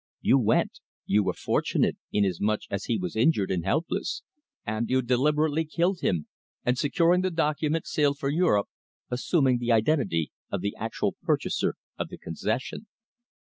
You went, you were fortunate, inasmuch as he was injured and helpless, and you deliberately killed him, and securing the document, sailed for Europe, assuming the identity of the actual purchaser of the concession.